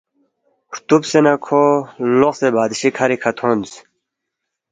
ہرتُوبسے نہ کھو لوقسے بادشی کَھری کھہ تھونس